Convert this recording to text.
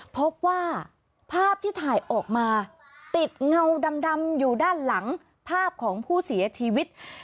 พบว่าภาพที่ถ่ายออกมาติดเงาดำอยู่ด้านหลังภาพของผู้เสียชีวิต